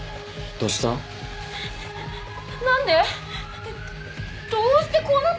どうしてこうなったの！？